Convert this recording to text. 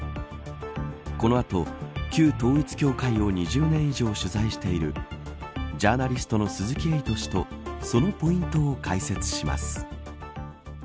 この後、旧統一教会を２０年以上取材しているジャーナリストの鈴木エイト氏とそのポイントを解説します